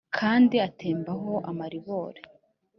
kandi atembaho amaribori